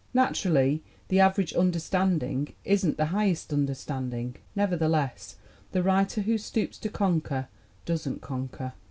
Naturally, the average understanding isn't the highest understanding; nevertheless, the writer who stoops to conquer doesn't conquer."